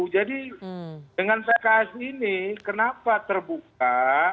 jadi dengan pks ini kenapa terbuka